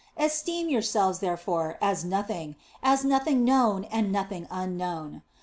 Esteem yourselves, therefore, as nothing, as nothing known or nothing un known.